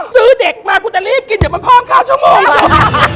ซื้อเด็กมากูจะรีบกินอย่างมันพร้อมข้าวชั่วโมง